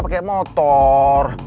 pakai ototnya men